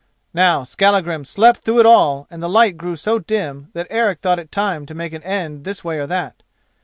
Now Skallagrim slept through it all and the light grew so dim that Eric thought it time to make an end this way or that.